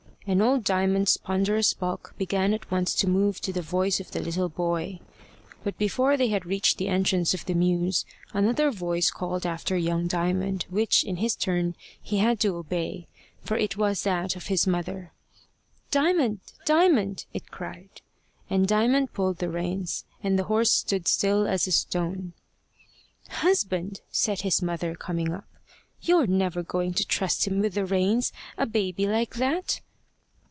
And old Diamond's ponderous bulk began at once to move to the voice of the little boy. But before they had reached the entrance of the mews, another voice called after young Diamond, which, in his turn, he had to obey, for it was that of his mother. "Diamond! Diamond!" it cried; and Diamond pulled the reins, and the horse stood still as a stone. "Husband," said his mother, coming up, "you're never going to trust him with the reins a baby like that?"